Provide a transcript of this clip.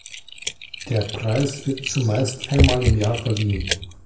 Der Preis wird zumeist einmal im Jahr verliehen.